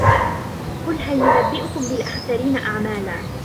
قُلْ هَلْ نُنَبِّئُكُمْ بِالْأَخْسَرِينَ أَعْمَالًا